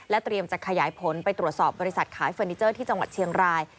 เตรียมจะขยายผลไปตรวจสอบบริษัทขายเฟอร์นิเจอร์ที่จังหวัดเชียงราย